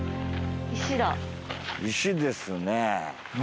石ですね。